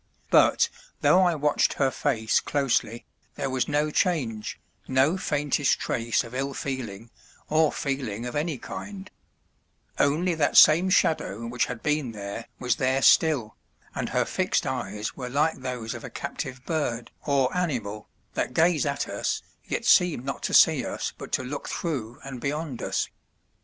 But though I watched her face closely there was no change, no faintest trace of ill feeling or feeling of any kind; only that same shadow which had been there was there still, and her fixed eyes were like those of a captive bird or animal, that gaze at us, yet seem not to see us but to look through and beyond us.